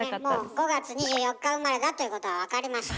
５月２４日生まれだということは分かりました。